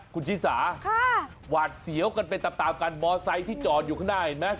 คุณชิสาหวาดเสียวกันไปตามตามกันมอไซค์ที่จอดอยู่ข้างหน้าเห็นไหม